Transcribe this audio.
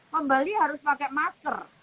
pembeli harus pakai masker